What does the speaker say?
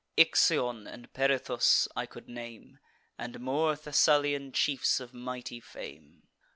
Ixion and Perithous I could name, And more Thessalian chiefs of mighty fame.